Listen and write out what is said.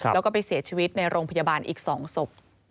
แล้วก็ไปเสียชีวิตในโรงพยาบาลอีก๒ศพ